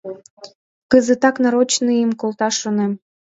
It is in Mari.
Кызытак нарочныйым колташ шонем.